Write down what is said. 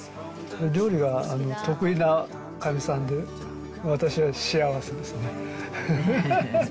料理は得意なかみさんで、私は幸せですね。